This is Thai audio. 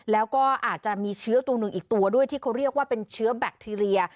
แล้วก็อาจจะมีเชื้อตัวหนึ่งอีกตัวด้วยที่เขาเรียกว่าเป็นเชื้อแบคทีเรีย